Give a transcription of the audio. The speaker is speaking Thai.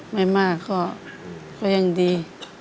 ไม่มากก็ยังดี